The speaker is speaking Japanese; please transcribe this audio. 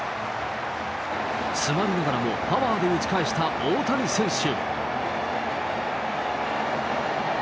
詰まりながらもパワーで打ち返した大谷選手。